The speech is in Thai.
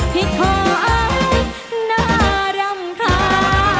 พี่ขออ้ายหน้ารำคา